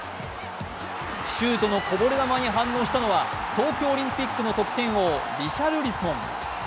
シュートのこぼれ球に反応したのは東京オリンピックの得点王、リシャルリソン。